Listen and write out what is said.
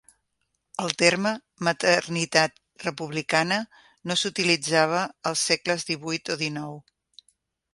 El terme "maternitat republicana" no s'utilitzava als segles XVIII o XIX.